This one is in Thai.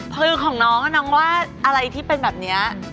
คือของน้องน้องว่าอะไรที่เป็นแบบนี้